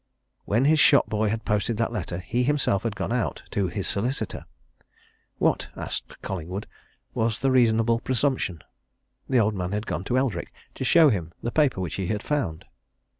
When his shop boy had posted that letter, he himself had gone out to his solicitor. What, asked Collingwood, was the reasonable presumption? The old man had gone to Eldrick to show him the paper which he had found.